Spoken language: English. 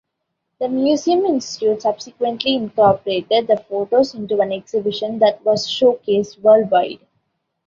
The Museum-Institute subsequently incorporated the photos into an exhibition that was showcased worldwide.